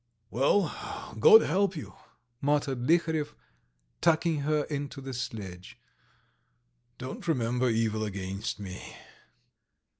"Well, God help you," muttered Liharev, tucking her into the sledge. "Don't remember evil against me